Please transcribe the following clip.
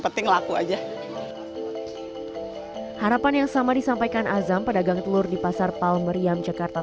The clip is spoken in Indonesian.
penting laku aja harapan yang sama disampaikan azam pedagang telur di pasar palmeriam jakarta